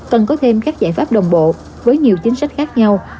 cần có thêm các giải pháp đồng bộ với nhiều chính sách khác nhau